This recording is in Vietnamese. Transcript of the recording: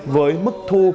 với mức thu